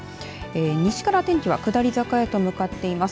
西から天気は下り坂へと向かっています。